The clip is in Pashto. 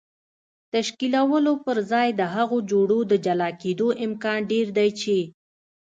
تشکیلولو پر ځای د هغو جوړو د جلا کېدو امکان ډېر دی چې